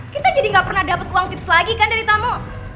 kita jadi gak pernah dapat uang tips lagi kan dari tamo